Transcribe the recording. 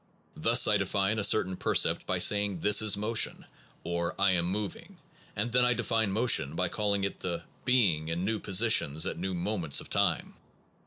Thus I define a certain percept by saying this is motion, or I am moving ; and then I define motion by calling it the being in new positions at new moments of time.